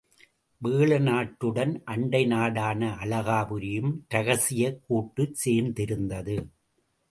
வேழ நாட்டுடன் அண்டை நாடான அழகாபுரியும் ரகசியக் கூட்டுச் சேர்ந்திருந்தது.